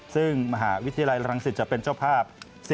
ซึ่งมหาวิทยาลัยรังสิตจะเป็นเจ้าภาพ